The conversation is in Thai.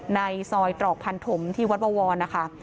ในซอยตรอกพันธมที่วัดบวรนะคะ